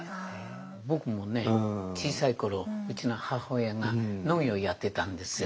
僕もね小さい頃うちの母親が農業やってたんですよ。